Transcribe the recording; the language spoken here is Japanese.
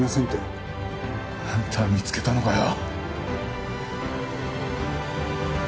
あんたは見つけたのかよ？